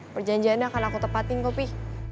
perjanjiannya akan aku tepatin kok pi